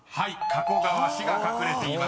［「加古川市」が隠れていました］